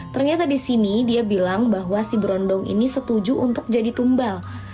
ternyata di sini dia bilang bahwa si berondong ini setuju untuk jadi tumbal